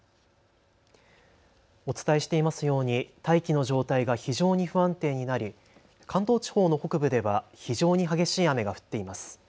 お伝えしていますように大気の状態が非常に不安定になり関東地方の北部では非常に激しい雨が降っています。